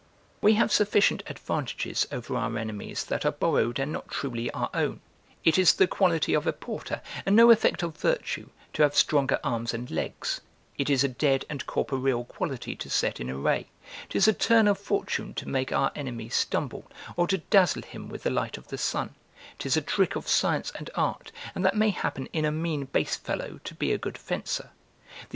We have sufficient advantages over our enemies that are borrowed and not truly our own; it is the quality of a porter, and no effect of virtue, to have stronger arms and legs; it is a dead and corporeal quality to set in array; 'tis a turn of fortune to make our enemy stumble, or to dazzle him with the light of the sun; 'tis a trick of science and art, and that may happen in a mean base fellow, to be a good fencer.